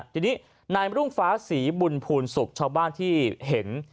ทีนี้นายรุ่งฟ้าศรีบุญภูลศุกร์ชาวบ้านที่เห็น